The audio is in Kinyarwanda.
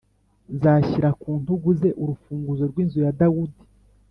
Nzashyira ku ntugu ze urufunguzo rw’inzu ya Dawudi,